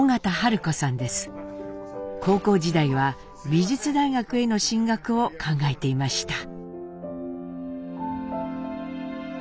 高校時代は美術大学への進学を考えていました。